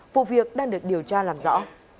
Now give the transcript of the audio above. vụ việc đang được điều tra làm rõ